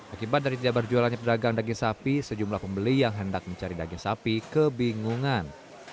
akibat dari tidak berjualannya pedagang daging sapi sejumlah pembeli yang hendak mencari daging sapi kebingungan